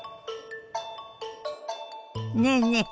ねえねえ